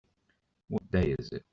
What day is it?